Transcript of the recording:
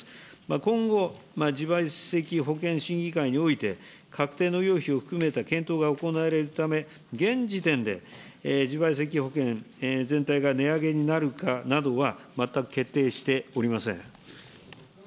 今後、自賠責保険審議会において、かくていのを踏まえた検討が行われるため、現時点で、自賠責保険全体が値上げになるかなどは全く決定しておりません。